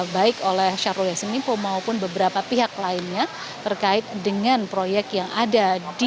baik oleh syahrul yassin limpo maupun beberapa pihak lainnya terkait dengan proyek yang ada di